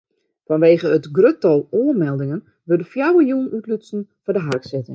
Fanwegen it grutte tal oanmeldingen wurde fjouwer jûnen útlutsen foar de harksitting.